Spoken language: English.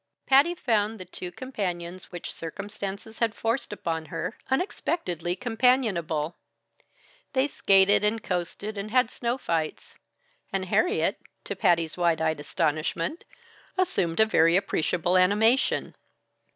Patty found the two companions which circumstances had forced upon her unexpectedly companionable. They skated and coasted and had snow fights; and Harriet, to Patty's wide eyed astonishment, assumed a very appreciable animation.